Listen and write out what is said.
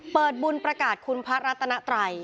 เปิดบุญประกาศคุณพระรัตนไตร